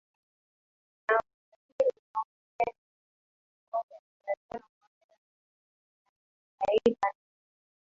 na utajiri unaofikia shilingi bilioni moja nukta tano kwa fedha za Tanzania Aidha anamiliki